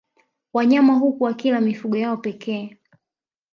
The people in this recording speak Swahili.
Wanyama huku wakila mifugo yao pekee